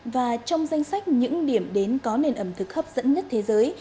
và trong danh sách những điểm đến có nền ẩm thực hấp dẫn nhất thế giới